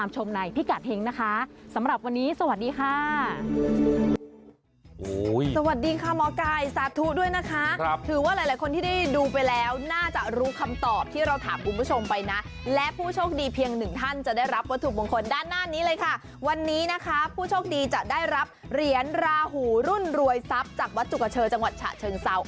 จากวัดจุกเชอจังหวัดฉะเชิงซาว